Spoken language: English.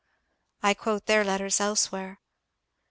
I quote their letters elsewhere.